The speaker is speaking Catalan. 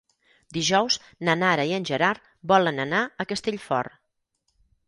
Dijous na Nara i en Gerard volen anar a Castellfort.